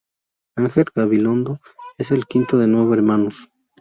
Ángel Gabilondo es el quinto de nueve hermanos.